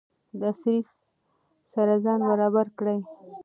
د عصر سره ځان برابر کړئ.